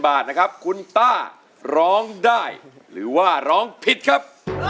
บาทนะครับคุณต้าร้องได้หรือว่าร้องผิดครับ